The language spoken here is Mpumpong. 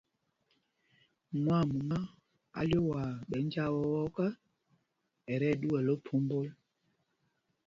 Mwaamumá a lyoowaa ɓɛ̌ njāā wɔ́ɔ́ ɔ, ɛ tí ɛɗuɛl ophómbol.